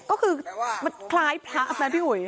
ก็คือมันคล้ายพระนะพี่ห่วย